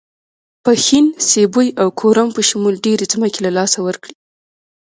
پښین، سیبۍ او کورم په شمول ډېرې ځمکې له لاسه ورکړې.